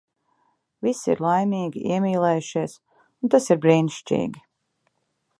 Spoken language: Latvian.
Visi ir laimīgi, iemīlējušies. Un tas ir brīnišķīgi.